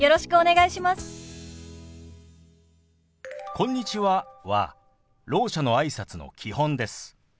「こんにちは」はろう者のあいさつの基本です。